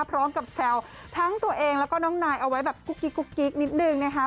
แซวทั้งตัวเองแล้วก็น้องนายเอาไว้แบบกุ๊กกิ๊กนิดนึงนะคะ